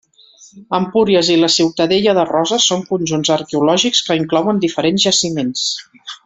Empúries i la Ciutadella de Roses són conjunts arqueològics que inclouen diferents jaciments.